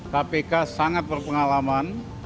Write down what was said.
kpk sangat berpengalaman